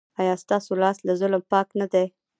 ایا ستاسو لاس له ظلم پاک نه دی؟